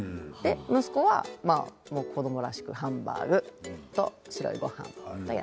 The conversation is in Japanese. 息子は子どもらしくハンバーグと白いごはんと野菜。